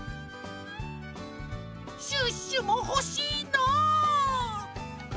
シュッシュもほしいな！